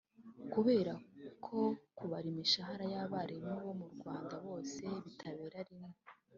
Kubera ko kubara imishahara y’abarimu bo mu Rwanda bose bitabera rimwe